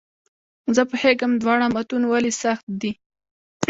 زه پوهېږم دواړه متون ولې سخت دي.